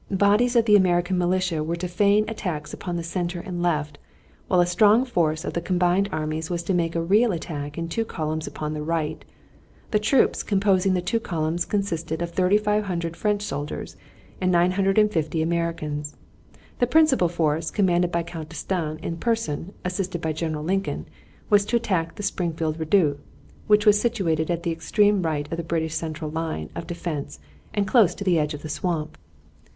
Bodies of the American militia were to feign attacks upon the center and left, while a strong force of the combined armies was to make a real attack in two columns upon the right. The troops composing the two columns consisted of 3500 French soldiers and 950 Americans. The principal force, commanded by Count D'Estaing in person, assisted by General Lincoln, was to attack the Springfield redoubt, which was situated at the extreme right of the British central line of defense and close to the edge of the swamp.